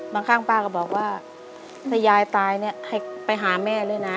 บางครั้งป้าก็บอกว่าถ้ายายตายให้ไปหาแม่เลยนะ